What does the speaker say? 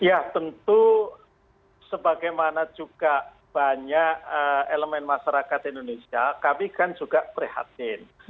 ya tentu sebagaimana juga banyak elemen masyarakat indonesia kami kan juga prihatin